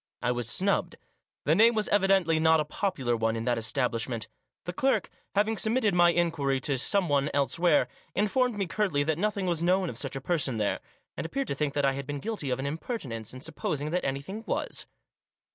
I was snubbed. The name was evidently not a popular one in that establishment. The clerk, having submitted my inquiry to someone elsewhere, informed me curtly that nothing was known of such a person there, and appeared to think that I had been guilty of an impertinence in supposing that any thing was.